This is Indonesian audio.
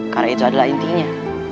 karena itu adalah intinya